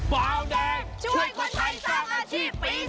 บาวแดงช่วยคนไทยสร้างอาชีพปี๒